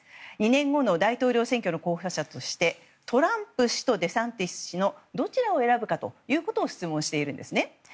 ２年後の大統領選挙の候補者としてトランプ氏とデサンティス氏のどちらを選ぶかということを質問しているんですね。